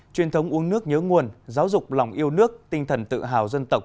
truyền thống uống nước nhớ nguồn giáo dục lòng yêu nước tinh thần tự hào dân tộc